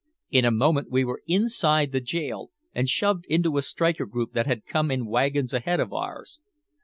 In a moment we were inside the jail and shoved into a striker group that had come in wagons ahead of ours.